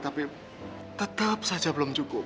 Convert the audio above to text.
tapi tetap saja belum cukup